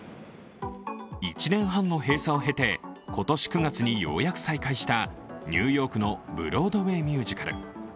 １年半の閉鎖を経て今年９月にようやく再開したニューヨークのブロードウェイミュージカル。